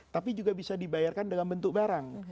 tapi juga bisa dibayarkan dalam bentuk barang